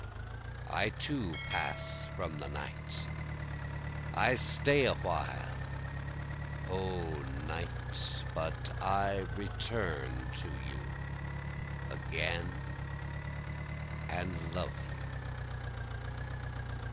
I too pass from the night, I stay a while away O night, but I return to you again and love you.